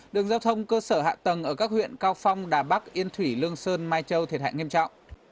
đường giao thông cơ sở hạ tầng ở các huyện cao phong đà bắc yên thủy lương sơn mai châu thiệt hại nghiêm trọng